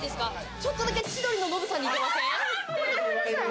ちょっとだけ千鳥のノブさんに似てません？